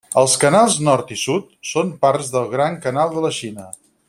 Els canals nord i sud són parts del Gran Canal de la Xina.